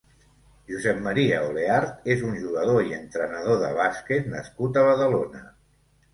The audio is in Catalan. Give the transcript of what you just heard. Josep Maria Oleart és un jugador i entrenador de bàsquet nascut a Badalona.